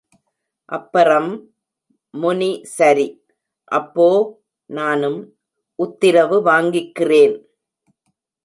அப்பறம்...... முனி சரி அப்போ......... நானும்... உத்திரவு வாங்கிக்கிறேன்.